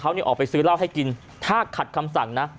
เขาออกไปซื้อเหล้าให้กินถ้าขัดคำสั่งนะ